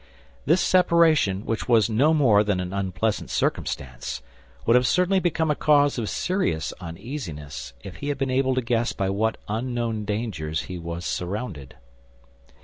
This separation, which was no more than an unpleasant circumstance, would have certainly become a cause of serious uneasiness if he had been able to guess by what unknown dangers he was surrounded.